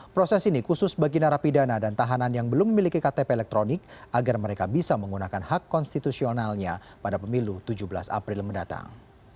proses ini khusus bagi narapidana dan tahanan yang belum memiliki ktp elektronik agar mereka bisa menggunakan hak konstitusionalnya pada pemilu tujuh belas april mendatang